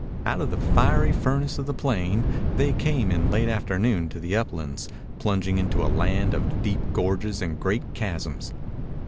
Out of the fiery furnace of the plain they came in late afternoon to the uplands, plunging into a land of deep gorges and great chasms.